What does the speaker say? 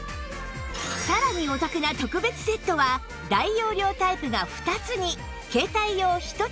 さらにお得な特別セットは大容量タイプが２つに携帯用１つ